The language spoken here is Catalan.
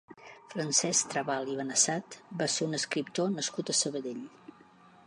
Francesc Trabal i Benessat va ser un escriptor nascut a Sabadell.